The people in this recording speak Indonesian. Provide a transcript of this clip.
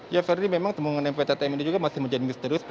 ya verdi memang temuan pt tmi ini juga masih menjadi misterius